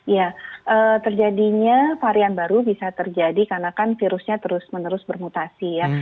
ya terjadinya varian baru bisa terjadi karena kan virusnya terus menerus bermutasi ya